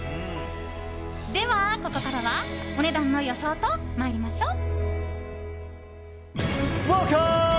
ではここからはお値段の予想と参りましょう。